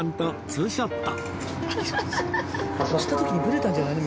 押した時にブレたんじゃないの？